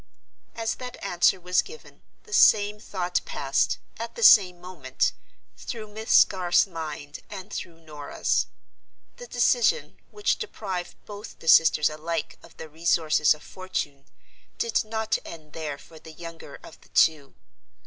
As that answer was given, the same thought passed, at the same moment, through Miss Garth's mind and through Norah's. The decision, which deprived both the sisters alike of the resources of fortune, did not end there for the younger of the two.